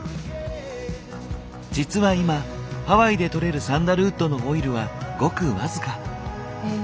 実は今ハワイでとれるサンダルウッドのオイルはごく僅か。